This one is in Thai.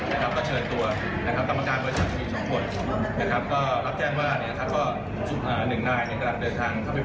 อีก๑คนเป็นสมัครสตรีกำลังเดินทางมาที่สวรรค์